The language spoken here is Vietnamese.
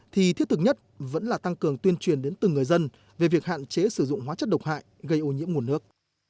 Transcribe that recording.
thì thiết thực nhất vẫn là tăng cường tuyên truyền đến từng người dân về việc hạn chế sử dụng hóa chất độc hại gây ô nhiễm nguồn nước